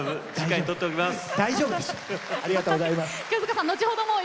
大丈夫！